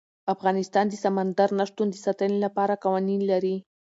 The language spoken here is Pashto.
افغانستان د سمندر نه شتون د ساتنې لپاره قوانین لري.